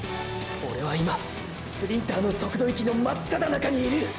オレは今スプリンターの速度域の真っただ中にいる！！